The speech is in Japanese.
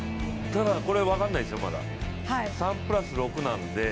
これ分からないですよ、まだ３プラス６なんで。